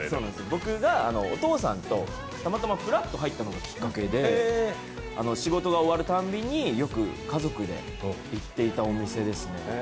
僕がお父さんとたまたまふらっと入ったのがきっかけで仕事が終わるたんびに、よく家族で行っていたお店ですね。